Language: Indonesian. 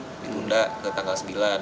jadi ditunda ke tanggal sembilan